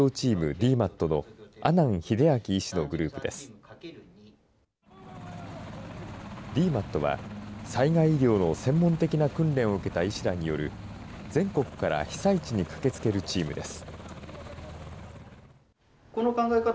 ＤＭＡＴは、災害医療の専門的な訓練を受けた医師らによる全国から被災地に駆けつけるチームです。